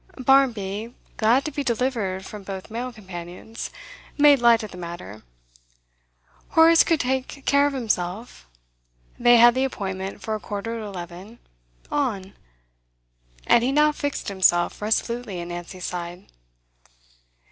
Barmby, glad to be delivered from both male companions, made light of the matter; Horace could take care of himself; they had the appointment for a quarter to eleven; on! And he now fixed himself resolutely at Nancy's side.